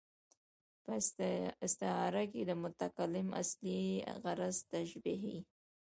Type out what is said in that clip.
په استعاره کښي د متکلم اصلي غرض تشبېه يي.